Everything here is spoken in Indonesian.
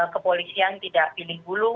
kepolisian tidak pilih bulu